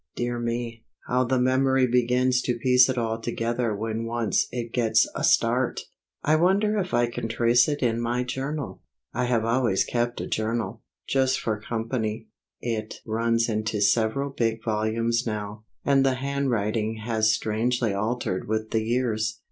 Dear me, how the memory begins to piece it all together when once it gets a start! I wonder if I can trace it in my journal? I have always kept a journal just for company. It runs into several big volumes now, and the handwriting has strangely altered with the years.